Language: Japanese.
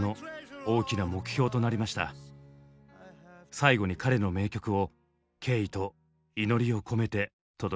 最後に彼の名曲を敬意と祈りを込めて届けます。